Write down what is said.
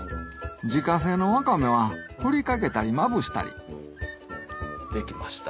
自家製のワカメはふりかけたりまぶしたり出来ました